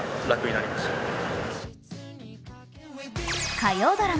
火曜ドラマ